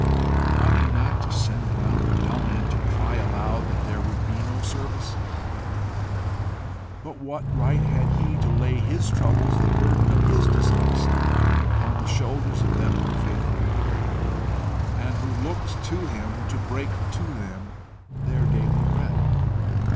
Ought he not to send round the bell man to cry aloud that there would be no service? But what right had he to lay his troubles, the burden of his dishonesty, upon the shoulders of them who faithfully believed, and who looked to him to break to them their daily bread?